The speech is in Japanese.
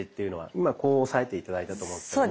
今こう押さえて頂いたと思うんですけども。